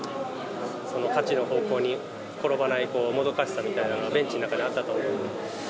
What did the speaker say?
勝ちの方向に転ばないもどかしさみたいなの、ベンチの中であったと思う。